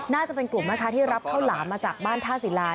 น่าจะเป็นกลุ่มแม่ค้าที่รับข้าวหลามมาจากบ้านท่าศิลา